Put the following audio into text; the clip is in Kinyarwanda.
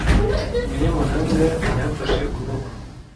Umunyamahanga yamfashe ukuboko.